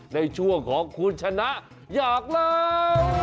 ในช่วงของคุณชนะอยากเล่า